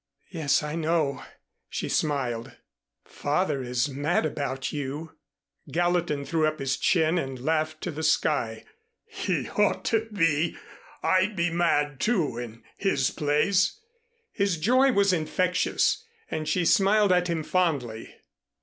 "Yes, I know," she smiled. "Father is mad about you." Gallatin threw up his chin and laughed to the sky. "He ought to be. I'd be mad, too, in his place." His joy was infectious, and she smiled at him fondly.